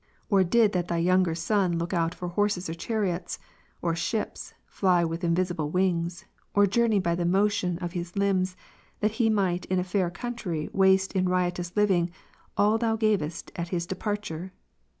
Or did that Thy younger son look out for horses or chariots, or ships, fly with visible wings, or journey by the motion of liis limbs, that he might in a far country Avaste in riotous living all Thou gavest at his departure